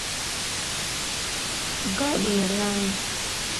ڳاڏي ھلائي